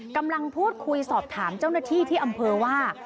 กำลังพูดคุยสอบถามเจ้าหน้าที่ที่อำเภอว่า